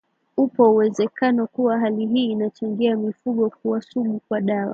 upo uwezekano kuwa hali hii inachangia mifugo kuwa sugu kwa dawa